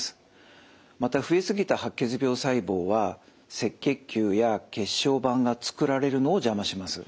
また増えすぎた白血病細胞は赤血球や血小板がつくられるのを邪魔します。